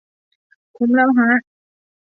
คุ้มแล้วฮะ